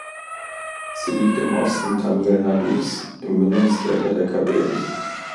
Sie liegt im Osten Tamil Nadus im Mündungsdelta der Kaveri.